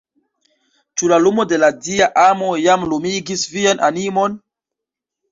Ĉu la lumo de la Dia amo jam lumigis vian animon?